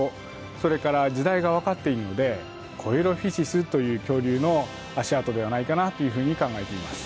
それから時代がわかっているのでコエロフィシスという恐竜の足跡ではないかなというふうに考えています。